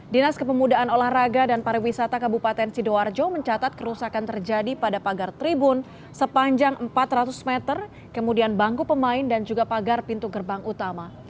dinas kepemudaan olahraga dan pariwisata kabupaten sidoarjo mencatat kerusakan terjadi pada pagar tribun sepanjang empat ratus meter kemudian bangku pemain dan juga pagar pintu gerbang utama